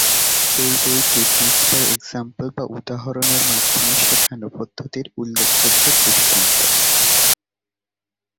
এই বইটি টিচ-বাই-এক্সাম্পল বা উদাহরণের-মাধ্যমে-শেখানো পদ্ধতির উল্লেখযোগ্য দৃষ্টান্ত।